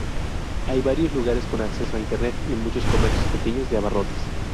Hay varios lugares con acceso a Internet y muchos comercios pequeños de abarrotes.